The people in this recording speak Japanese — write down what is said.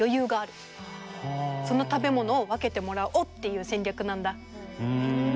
その食べ物を分けてもらおうっていう戦略なんだ。